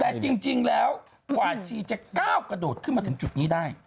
แต่จริงแล้วกว่าชีจะก้าวกระโดดขึ้นมาถึงจุดนี้ได้